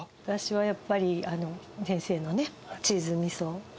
私はやっぱり先生のねチーズ味噌。